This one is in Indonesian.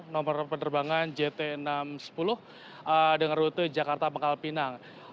nomor penerbangan jt enam ratus sepuluh dengan rute jakarta bengkal pinang